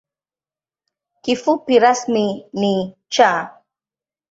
Kifupi rasmi ni ‘Cha’.